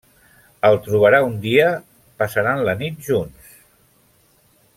El trobarà un dia, passaran la nit junts.